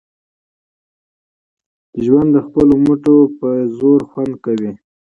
ژوند د خپلو مټو په زور خوند کړي